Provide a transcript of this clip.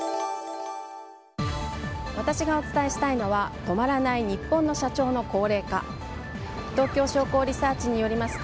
私がお伝えしたいのは止まらないニッポンの社長の高齢化です。